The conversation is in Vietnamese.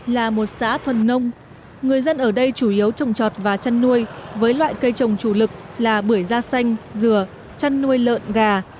là một xã thuần nông người dân ở đây chủ yếu trồng trọt và chăn nuôi với loại cây trồng chủ lực là bưởi da xanh dừa chăn nuôi lợn gà